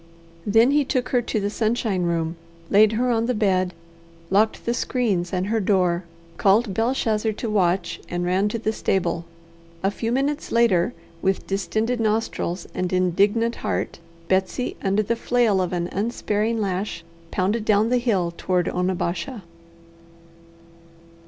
Then he took her to the sunshine room, laid her on the bed, locked the screens and her door, called Belshazzar to watch, and ran to the stable. A few minutes later with distended nostrils and indignant heart Betsy, under the flail of an unsparing lash, pounded down the hill toward Onabasha.